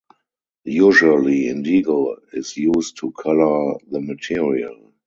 Usually indigo is used to colour the material.